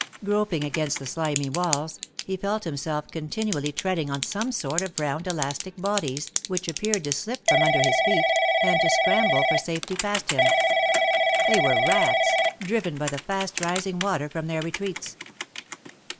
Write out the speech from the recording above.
Groping against the slimy walls, he felt himself continually treading on some sort of round elastic bodies, which appeared to slip from under his feet, and to scramble for safety past him. They were rats, driven by the fast rising water from their retreats.